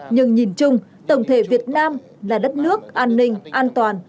nhưng nhìn chung tổng thể việt nam là đất nước an ninh an toàn